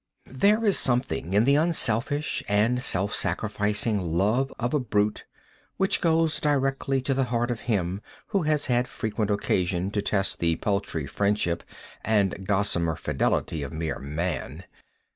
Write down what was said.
There is something in the unselfish and self sacrificing love of a brute, which goes directly to the heart of him who has had frequent occasion to test the paltry friendship and gossamer fidelity of mere Man.